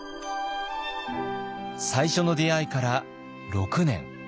最初の出会いから６年。